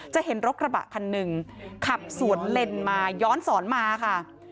เห็นรถกระบะคันหนึ่งขับสวนเลนมาย้อนสอนมาค่ะ